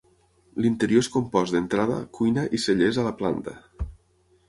L'interior és compost d'entrada, cuina i cellers, a la planta.